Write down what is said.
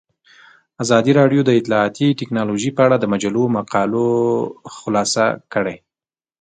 ازادي راډیو د اطلاعاتی تکنالوژي په اړه د مجلو مقالو خلاصه کړې.